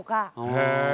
へえ。